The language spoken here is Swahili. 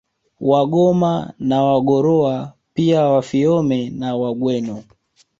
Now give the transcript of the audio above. Wagoma na Wagorowa pia Wafiome na Wagweno